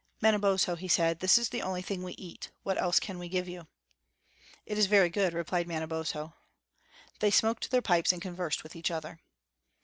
"Manabozho," he said, "this is the only thing we eat; what else can we give you?" "It is very good," replied Manabozho. They smoked their pipes and conversed with each other.